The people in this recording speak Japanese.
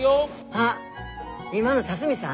あっ今の龍己さん？